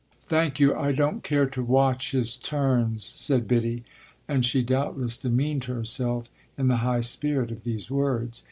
"Thank you, I don't care to watch his turns," said Biddy; and she doubtless demeaned herself in the high spirit of these words.